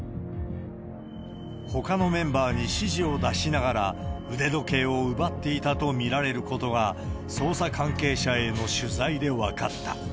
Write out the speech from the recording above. ほかのメンバーに指示を出しながら、腕時計を奪っていたと見られることが、捜査関係者への取材で分かった。